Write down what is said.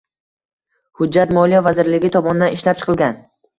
Hujjat Moliya vazirligi tomonidan ishlab chiqilgan.